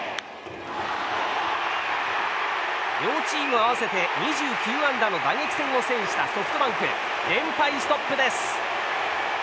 両チーム合わせて２９安打の打撃戦を制したソフトバンク。連敗ストップです。